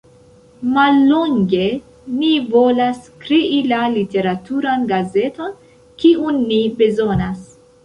Mallonge: ni volas krei la literaturan gazeton, kiun ni bezonas.